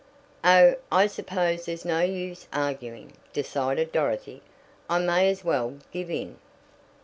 "Oh, I suppose there's no use arguing," decided Dorothy. "I may as well give in."